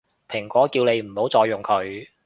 蘋果叫你唔好再用佢